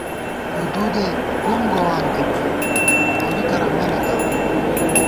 حدودے بُم گووان دِبُوئی ، نوری کرہ مَنِتہ